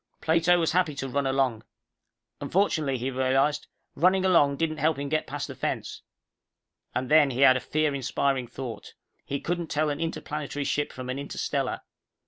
Plato was happy to run along. Unfortunately, he realized, running along didn't help him to get past the fence. And then he had a fear inspiring thought. He couldn't tell an interplanetary ship from an interstellar.